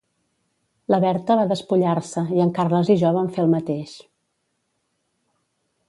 La Berta va despullar-se i en Carles i jo vam fer el mateix.